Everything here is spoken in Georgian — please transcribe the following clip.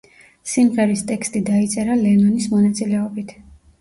სიმღერის ტექსტი დაიწერა ლენონის მონაწილეობით.